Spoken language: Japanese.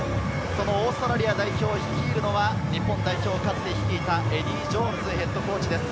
オーストラリア代表を率いるのは日本代表をかつて率いたエディー・ジョーンズＨＣです。